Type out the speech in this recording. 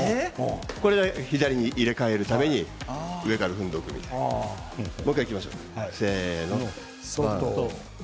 これで左に、入れ替えるために上から踏んでもう１回いきましょう。